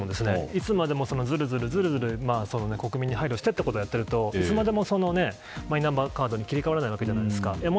いつまでもずるずる国民に配慮してってことをやっているといつまでもマイナンバーカードに切り替わらないじゃないですか。